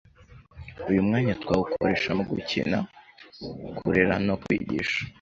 Uyu mwanya twawukoresha mu gukina kurera no kwigisha,